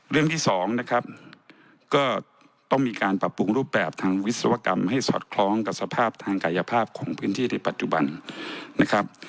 เรื่องที่สองนะครับก็ต้องมีการปรับปรุงรูปแบบทางวิศวกรรมให้สอดคล้องกับสภาพทางกายภาพของพื้นที่ในปัจจุบันนะครับ